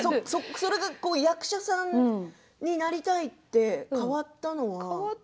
役者さんになりたいって変わったのは？